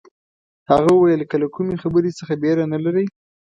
هغه وویل که له کومې خبرې څه بېره نه لرئ.